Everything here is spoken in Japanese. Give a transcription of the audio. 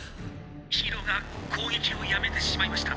ヒーローが攻撃をやめてしまいました。